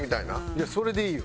いやそれでいいよ。